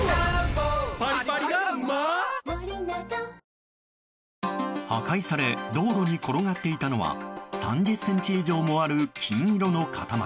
新「グリーンズフリー」破壊され道路に転がっていたのは３０ｃｍ以上もある金色の塊。